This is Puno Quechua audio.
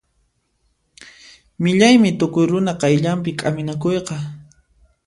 Millaymi tukuy runa qayllanpi k'aminakuyqa.